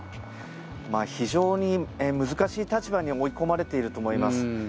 非常に難しい立場に追い込まれていると思います。